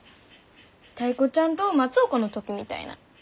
タイ子ちゃんと松岡の時みたいなん。